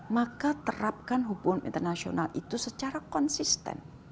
maka terapkan hukum internasional itu secara konsisten